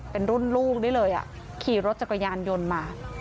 เป็นรุ่นลูกได้เลยขี่รถจักรยานยนต์มา